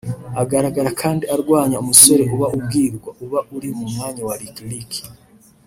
Agaragara kandi arwanya umusore uba ubwirwa (uba uri mu mwanya wa Licklick)